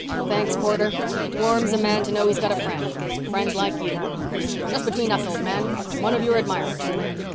"Thanks, Porter. It warms a man to know he's got a friend a friend like you." "Just between us, old man, I'm one of your admirers."